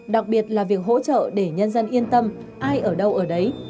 đặc biệt là việc hỗ trợ để nhân dân yên tâm ai ở đâu ở đấy